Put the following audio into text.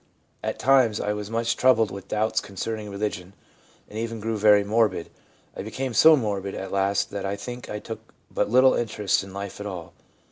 At times I was much troubled with doubts concerning religion, and even grew very morbid. ... I became so morbid at last that I think I took but little interest in life at all.